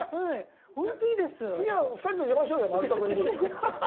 次は２人で出ましょうよ「まる得」に。